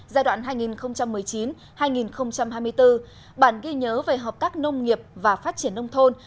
giai đoạn hai nghìn một mươi chín hai nghìn hai mươi bốn bản ghi nhớ về hợp tác nông nghiệp và phát triển nông thôn